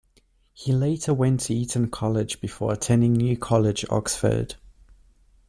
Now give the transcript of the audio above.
He later went to Eton College before attending New College, Oxford.